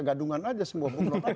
gadungan saja semua